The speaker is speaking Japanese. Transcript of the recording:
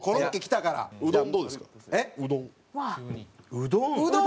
うどん？